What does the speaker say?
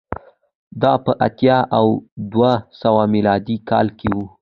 دا په اتیا او دوه سوه میلادي کال کې و